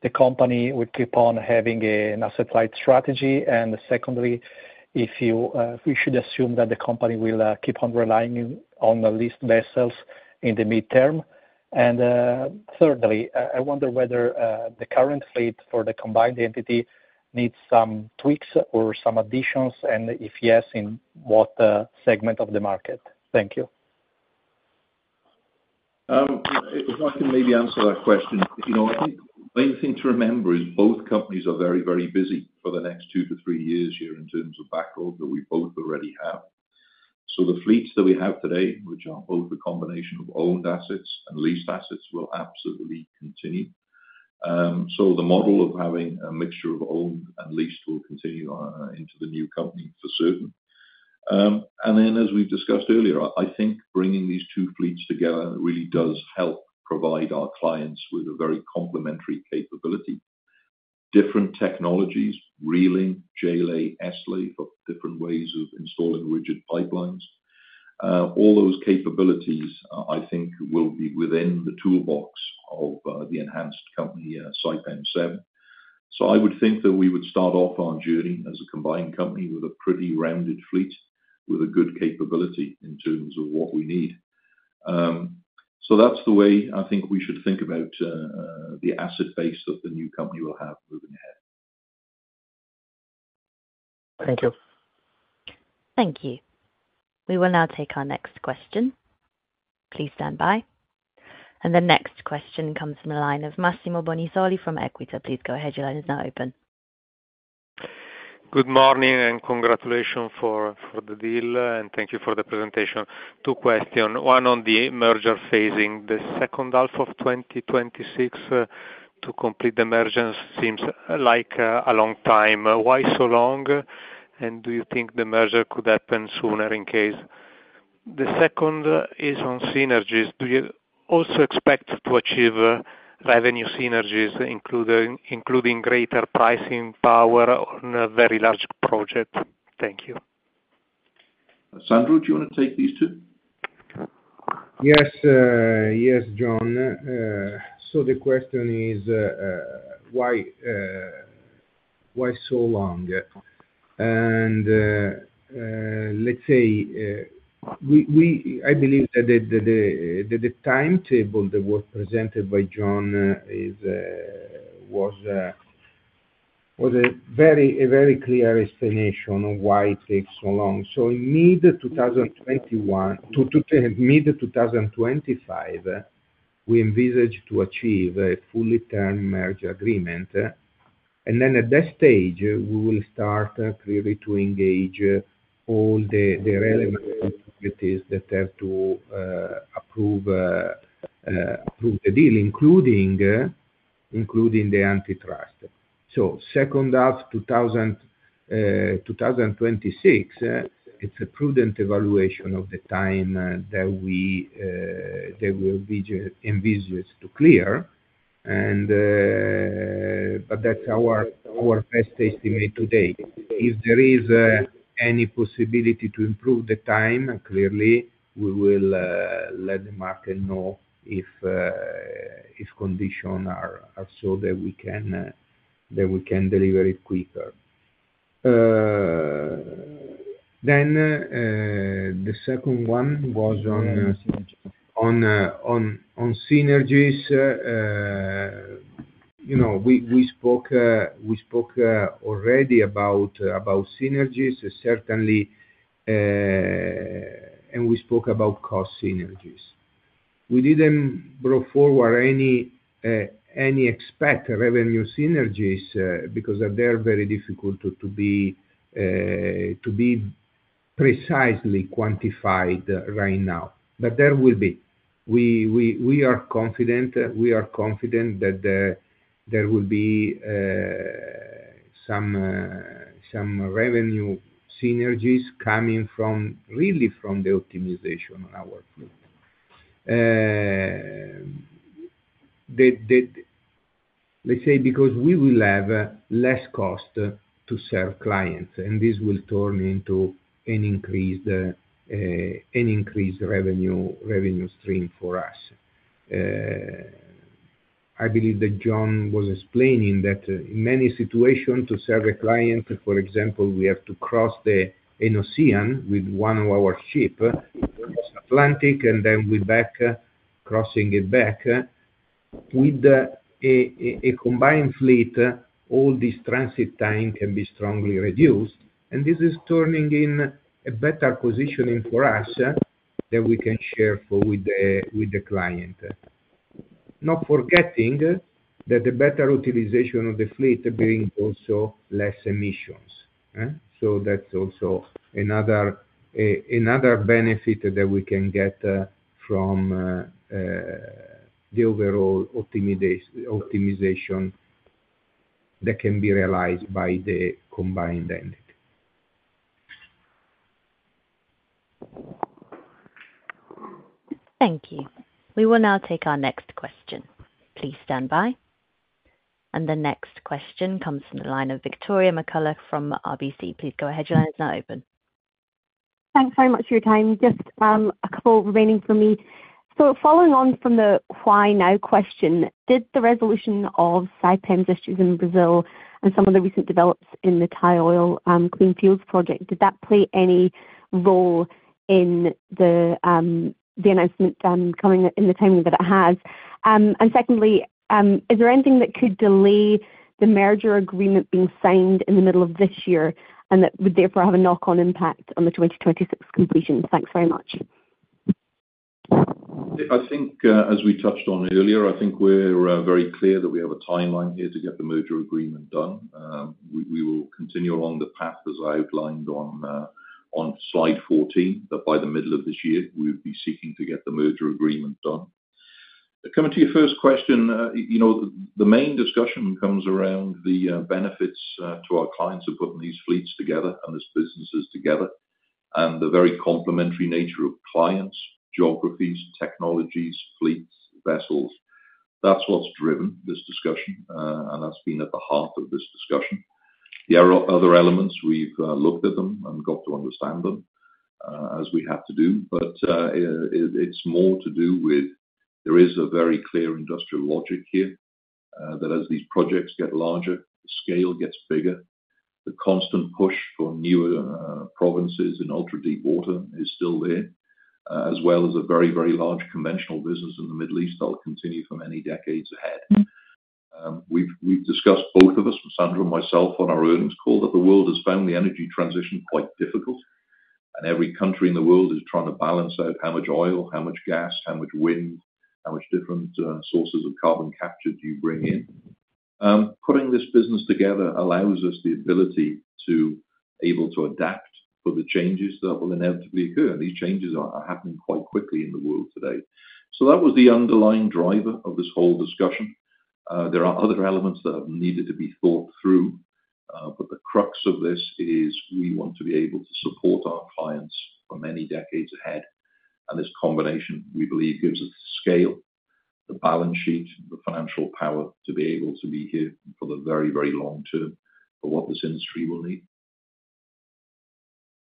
the company would keep on having an asset-light strategy. And secondly, if we should assume that the company will keep on relying on leased vessels in the midterm. And thirdly, I wonder whether the current fleet for the combined entity needs some tweaks or some additions. And if yes, in what segment of the market? Thank you. If I can maybe answer that question, I think the main thing to remember is both companies are very, very busy for the next two to three years here in terms of backlog that we both already have. So the fleets that we have today, which are both a combination of owned assets and leased assets, will absolutely continue. So the model of having a mixture of owned and leased will continue into the new company for certain. And then, as we've discussed earlier, I think bringing these two fleets together really does help provide our clients with a very complementary capability. Different technologies, reeling, J-lay, S-lay for different ways of installing rigid pipelines. All those capabilities, I think, will be within the toolbox of the enhanced company Saipem 7. So I would think that we would start off our journey as a combined company with a pretty rounded fleet with a good capability in terms of what we need. So that's the way I think we should think about the asset base that the new company will have moving ahead. Thank you. Thank you. We will now take our next question. Please stand by. And the next question comes from the line of Massimo Bonisoli from Equita. Please go ahead. Your line is now open. Good morning and congratulations for the deal, and thank you for the presentation. Two questions. One on the merger phasing. The second half of 2026 to complete the merger seems like a long time. Why so long? And do you think the merger could happen sooner in case? The second is on synergies. Do you also expect to achieve revenue synergies, including greater pricing power on a very large project? Thank you. Sandro, do you want to take these two? Yes. Yes, John. So the question is, why so long? And let's say, I believe that the timetable that was presented by John was a very clear explanation of why it takes so long. So in mid-2025, we envisage to achieve a full-term merger agreement. And then at that stage, we will start clearly to engage all the relevant authorities that have to approve the deal, including the antitrust. So second half 2026, it's a prudent evaluation of the time that we envisage to clear. But that's our best estimate today. If there is any possibility to improve the time, clearly, we will let the market know if conditions are so that we can deliver it quicker. Then the second one was on synergies. We spoke already about synergies, certainly, and we spoke about cost synergies. We didn't brought forward any expected revenue synergies because they're very difficult to be precisely quantified right now. But there will be. We are confident that there will be some revenue synergies coming really from the optimization on our fleet. Let's say, because we will have less cost to serve clients, and this will turn into an increased revenue stream for us. I believe that John was explaining that in many situations to serve a client, for example, we have to cross the ocean with one of our ships, the North Atlantic, and then we're back crossing it back. With a combined fleet, all this transit time can be strongly reduced. And this is turning in a better position for us that we can share with the client. Not forgetting that the better utilization of the fleet brings also less emissions. So that's also another benefit that we can get from the overall optimization that can be realized by the combined entity. Thank you. We will now take our next question. Please stand by, and the next question comes from the line of Victoria McCulloch from RBC. Please go ahead. Your line is now open. Thanks very much for your time. Just a couple remaining for me. So following on from the why now question, did the resolution of Saipem's issues in Brazil and some of the recent developments in the Thai Oil Clean Fuels project, did that play any role in the announcement coming in the timing that it has? And secondly, is there anything that could delay the merger agreement being signed in the middle of this year and that would therefore have a knock-on impact on the 2026 completion? Thanks very much. I think, as we touched on earlier, I think we're very clear that we have a timeline here to get the merger agreement done. We will continue along the path as I outlined on slide 14 that by the middle of this year, we would be seeking to get the merger agreement done. Coming to your first question, the main discussion comes around the benefits to our clients of putting these fleets together and these businesses together and the very complementary nature of clients, geographies, technologies, fleets, vessels. That's what's driven this discussion, and that's been at the heart of this discussion. The other elements, we've looked at them and got to understand them as we have to do. But it's more to do with there is a very clear industrial logic here that as these projects get larger, the scale gets bigger. The constant push for newer provinces in ultra-deep water is still there, as well as a very, very large conventional business in the Middle East that'll continue for many decades ahead. We've discussed both of us, Sandro and myself, on our earnings call that the world has found the energy transition quite difficult, and every country in the world is trying to balance out how much oil, how much gas, how much wind, how much different sources of carbon capture do you bring in. Putting this business together allows us the ability to be able to adapt for the changes that will inevitably occur, and these changes are happening quite quickly in the world today, so that was the underlying driver of this whole discussion. There are other elements that have needed to be thought through, but the crux of this is we want to be able to support our clients for many decades ahead, and this combination, we believe, gives us the scale, the balance sheet, the financial power to be able to be here for the very, very long term for what this industry will need.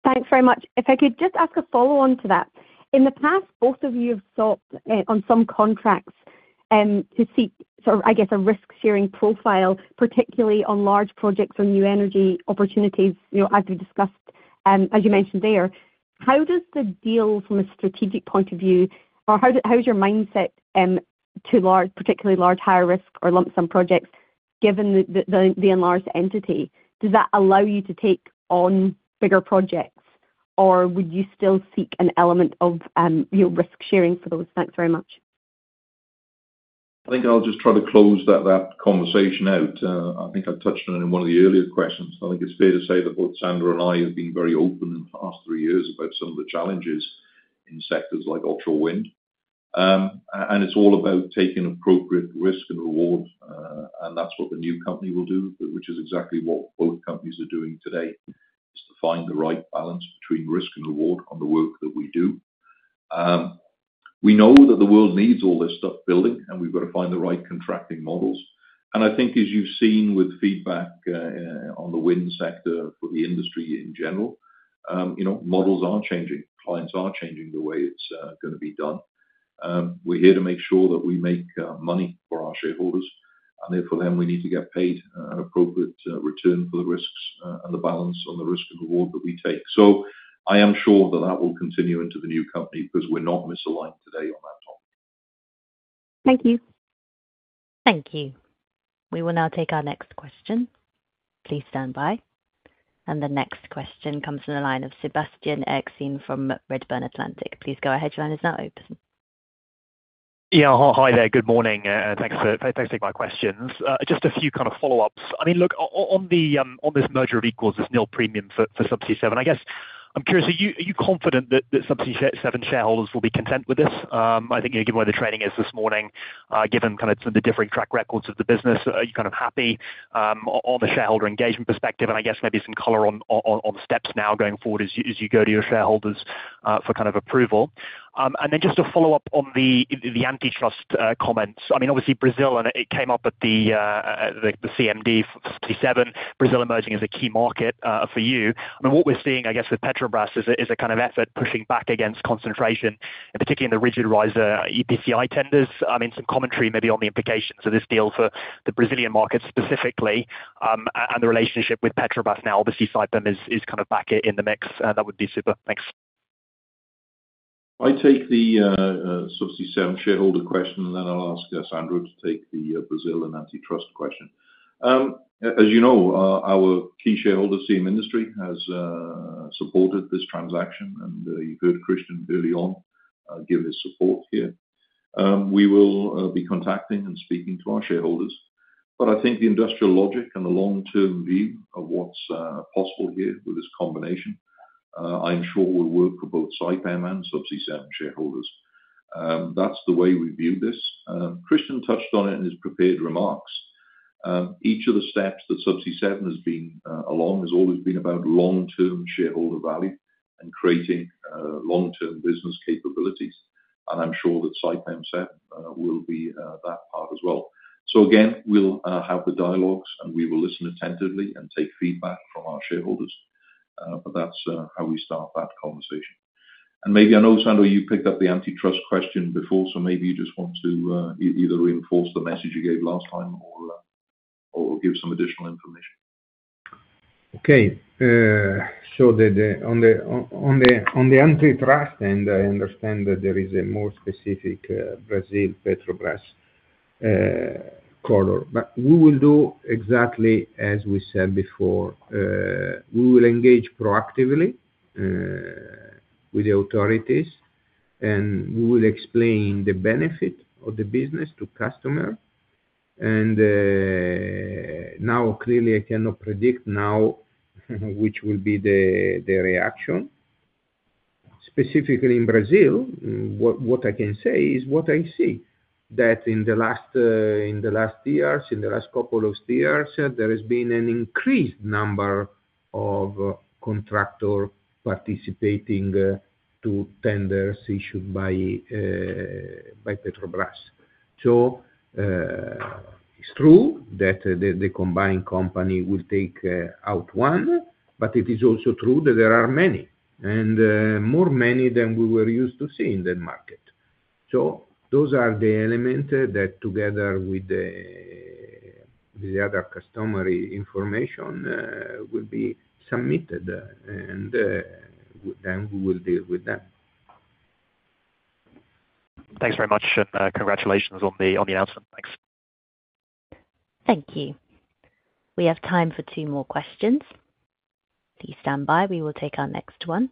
Thanks very much. If I could just ask a follow-on to that. In the past, both of you have sought on some contracts sort of, I guess, a risk-sharing profile, particularly on large projects or new energy opportunities, as we discussed, as you mentioned there. How does the deal from a strategic point of view, or how is your mindset to large, particularly large higher risk or lump sum projects, given the enlarged entity? Does that allow you to take on bigger projects, or would you still seek an element of risk-sharing for those? Thanks very much. I think I'll just try to close that conversation out. I think I've touched on it in one of the earlier questions. I think it's fair to say that both Sandro and I have been very open in the past three years about some of the challenges in sectors like offshore wind. And it's all about taking appropriate risk and reward, and that's what the new company will do, which is exactly what both companies are doing today, is to find the right balance between risk and reward on the work that we do. We know that the world needs all this stuff building, and we've got to find the right contracting models. And I think, as you've seen with feedback on the wind sector for the industry in general, models are changing. Clients are changing the way it's going to be done. We're here to make sure that we make money for our shareholders, and therefore, then we need to get paid an appropriate return for the risks and the balance on the risk and reward that we take, so I am sure that that will continue into the new company because we're not misaligned today on that topic. Thank you. Thank you. We will now take our next question. Please stand by and the next question comes from the line of Sebastian Erskine from Redburn Atlantic. Please go ahead. Your line is now open. Yeah. Hi there. Good morning. Thanks for taking my questions. Just a few kind of follow-ups. I mean, look, on this merger of equals, this nil premium for Subsea7, I guess I'm curious, are you confident that Subsea7 shareholders will be content with this? I think, given where the trading is this morning, given kind of some of the differing track records of the business, are you kind of happy on the shareholder engagement perspective? And I guess maybe some color on steps now going forward as you go to your shareholders for kind of approval. And then just to follow up on the antitrust comments. I mean, obviously, Brazil, and it came up at the CMD for Subsea7, Brazil emerging as a key market for you. I mean, what we're seeing, I guess, with Petrobras is a kind of effort pushing back against concentration, particularly in the rigid riser EPCI tenders. I mean, some commentary maybe on the implications of this deal for the Brazilian market specifically and the relationship with Petrobras. Now, obviously, Saipem is kind of back in the mix. That would be super. Thanks. I take the Subsea 7 shareholder question, and then I'll ask Sandro to take the Brazil and antitrust question. As you know, our key shareholders, Siem Industries, has supported this transaction, and you heard Kristian early on give his support here. We will be contacting and speaking to our shareholders. But I think the industrial logic and the long-term view of what's possible here with this combination, I'm sure will work for both Saipem and Subsea7 shareholders. That's the way we view this. Kristian touched on it in his prepared remarks. Each of the steps that Subsea7 has been along has always been about long-term shareholder value and creating long-term business capabilities. And I'm sure that Saipem7 will be that part as well. So again, we'll have the dialogues, and we will listen attentively and take feedback from our shareholders. But that's how we start that conversation. Maybe, you know, Sandro, you picked up the antitrust question before, so maybe you just want to either reinforce the message you gave last time or give some additional information. Okay. So, on the antitrust end, I understand that there is a more specific Brazil Petrobras color. But we will do exactly as we said before. We will engage proactively with the authorities, and we will explain the benefit of the business to customers. And now, clearly, I cannot predict now which will be the reaction. Specifically in Brazil, what I can say is what I see, that in the last years, in the last couple of years, there has been an increased number of contractors participating to tenders issued by Petrobras. So it's true that the combined company will take out one, but it is also true that there are many and more many than we were used to see in the market. So those are the elements that together with the other customary information will be submitted, and then we will deal with them. Thanks very much, and congratulations on the announcement. Thanks. Thank you. We have time for two more questions. Please stand by. We will take our next one,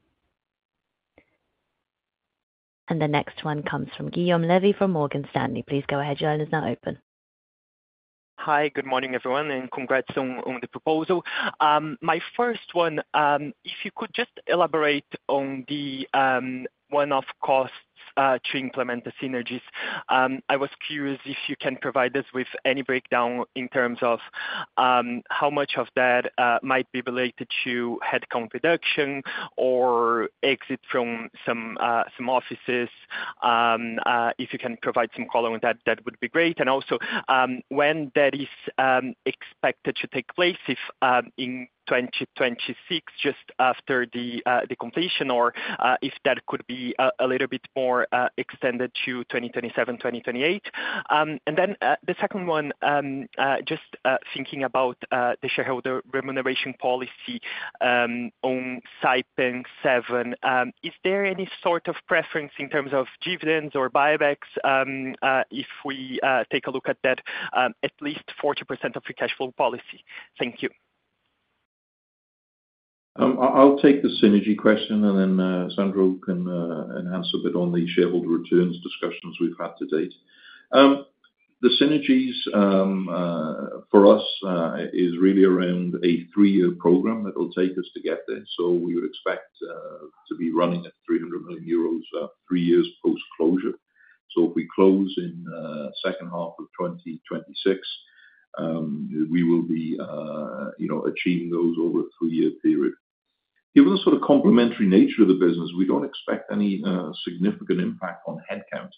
and the next one comes from Guilherme Levy from Morgan Stanley. Please go ahead. Your line is now open. Hi, good morning, everyone, and congrats on the proposal. My first one, if you could just elaborate on the one-off costs to implement the synergies? I was curious if you can provide us with any breakdown in terms of how much of that might be related to headcount reduction or exit from some offices. If you can provide some color on that, that would be great. And also, when that is expected to take place, if in 2026, just after the completion, or if that could be a little bit more extended to 2027, 2028. And then the second one, just thinking about the shareholder remuneration policy on Saipem7, is there any sort of preference in terms of dividends or buybacks, if we take a look at that, at least 40% of your cash flow policy? Thank you. I'll take the synergy question, and then Sandro can enhance a bit on the shareholder returns discussions we've had to date. The synergies for us is really around a three-year program that will take us to get there. So we would expect to be running at 300 million euros three years post-closure. So if we close in the second half of 2026, we will be achieving those over a three-year period. Given the sort of complementary nature of the business, we don't expect any significant impact on headcount.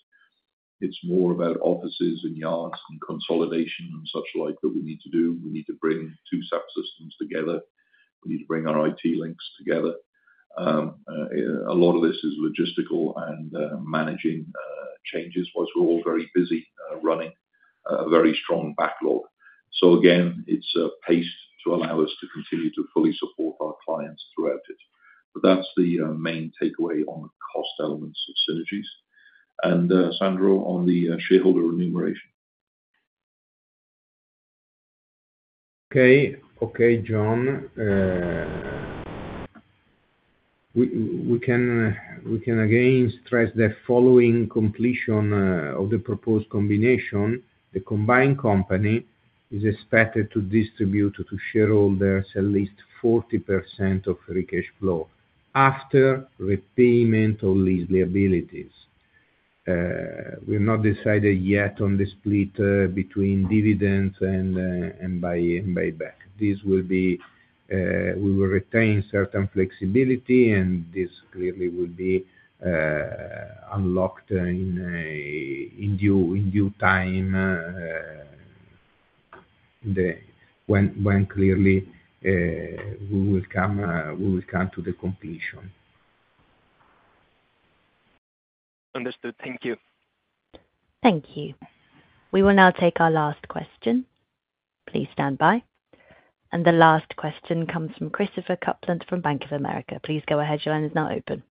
It's more about offices and yards and consolidation and such like that we need to do. We need to bring two subsystems together. We need to bring our IT links together. A lot of this is logistical and managing changes while we're all very busy running a very strong backlog. So again, it's a pace to allow us to continue to fully support our clients throughout it. But that's the main takeaway on the cost elements of synergies. And Sandro, on the shareholder remuneration. Okay. Okay, John. We can again stress following the completion of the proposed combination. The combined company is expected to distribute to shareholders at least 40% of free cash flow after repayment of lease liabilities. We have not decided yet on the split between dividends and buyback. We will retain certain flexibility, and this clearly will be unlocked in due time when clearly we will come to the completion. Understood. Thank you. Thank you. We will now take our last question. Please stand by. And the last question comes from Christopher Kuplent from Bank of America. Please go ahead. Your line is now open.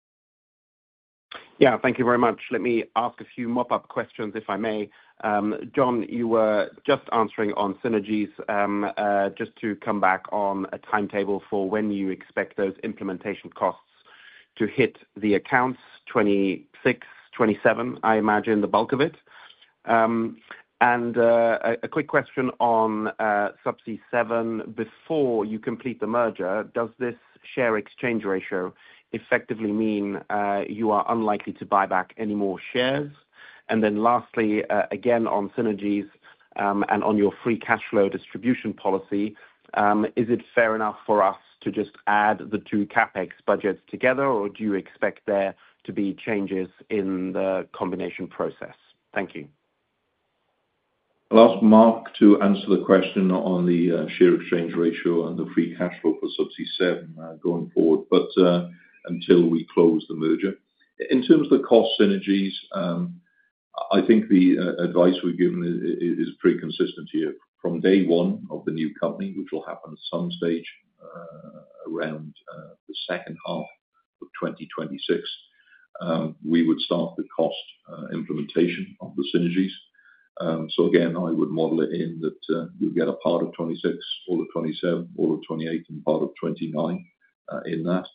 Yeah. Thank you very much. Let me ask a few mop-up questions, if I may. John, you were just answering on synergies. Just to come back on a timetable for when you expect those implementation costs to hit the accounts, 2026, 2027, I imagine the bulk of it. And a quick question on Subsea 7. Before you complete the merger, does this share exchange ratio effectively mean you are unlikely to buy back any more shares? And then lastly, again, on synergies and on your free cash flow distribution policy, is it fair enough for us to just add the two CapEx budgets together, or do you expect there to be changes in the combination process? Thank you. Last, Mark, to answer the question on the share exchange ratio and the free cash flow for Subsea7 going forward, but until we close the merger. In terms of the cost synergies, I think the advice we've given is pretty consistent here. From day one of the new company, which will happen at some stage around the second half of 2026, we would start the cost implementation of the synergies, so again, I would model it in that you'll get a part of 2026, all of 2027, all of 2028, and part of 2029 in that.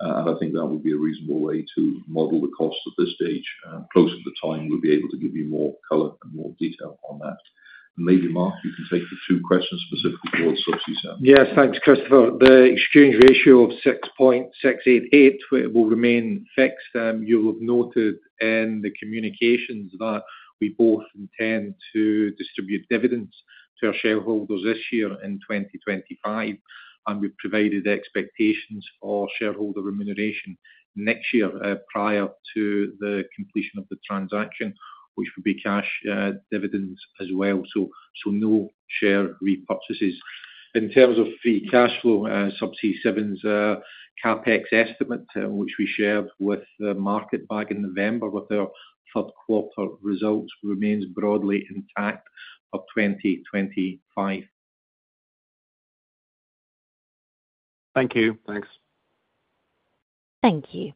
And I think that would be a reasonable way to model the cost at this stage. Closer to the time, we'll be able to give you more color and more detail on that, and maybe, Mark, you can take the two questions specifically towards Subsea7. Yes. Thanks, Christopher. The exchange ratio of 6.688 will remain fixed. You will have noted in the communications that we both intend to distribute dividends to our shareholders this year in 2025, and we've provided expectations for shareholder remuneration next year prior to the completion of the transaction, which would be cash dividends as well. So no share repurchases. In terms of free cash flow, Subsea7's CapEx estimate, which we shared with the market back in November with their third-quarter results, remains broadly intact for 2025. Thank you. Thanks. Thank you.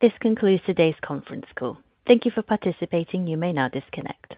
This concludes today's conference call. Thank you for participating. You may now disconnect.